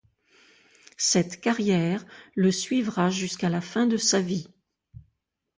Cette carrière le suivra jusqu'à la fin de sa vie.